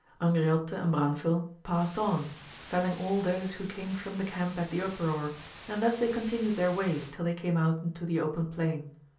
Angriote and Branfil passed on, felling all those who came from the camp at the uproar, and thus they continued their way till they came out into the open plain.